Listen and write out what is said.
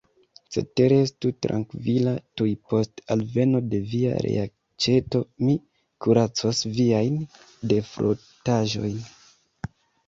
Cetere, estu trankvila: tuj post alveno de via reaĉeto, mi kuracos viajn defrotaĵojn.